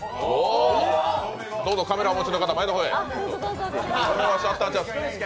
どうぞカメラをお持ちの方、前の方へ。